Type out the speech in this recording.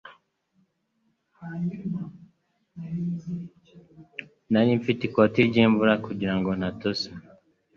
Nari mfite ikoti ryimvura kugirango ntatose